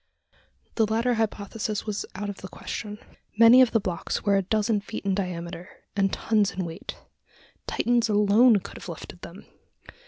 The latter hypothesis was out of the question. Many of the blocks were a dozen feet in diameter, and tons in weight. Titans alone could have lifted them!